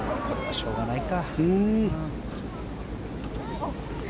しょうがないか。